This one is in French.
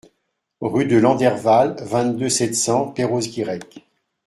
Rue de Landerval, vingt-deux, sept cents Perros-Guirec